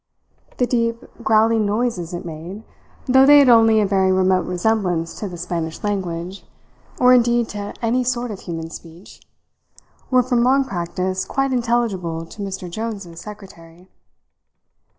The deep, growling noises it made, though they had only a very remote resemblance to the Spanish language, or indeed to any sort of human speech, were from long practice quite intelligible to Mr. Jones's secretary.